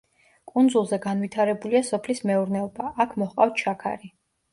კუნძულზე განვითარებულია სოფლის მეურნეობა, აქ მოჰყავთ შაქარი.